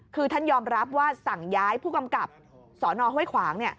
คือท่านยอมรับว่าสั่งย้ายผู้กำกับสนห้วยขวาง